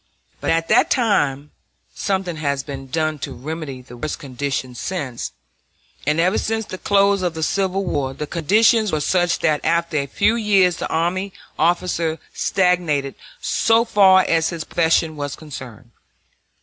But at that time (something has been done to remedy the worst conditions since), and ever since the close of the Civil War, the conditions were such that after a few years the army officer stagnated so far as his profession was concerned.